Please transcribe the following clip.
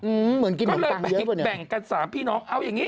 อื้อคือกิดกลงปางเยอะกว่านึกแล้วแบ่งกันสามพี่น้องเอาอย่างงี้